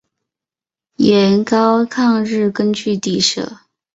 盐阜抗日根据地设。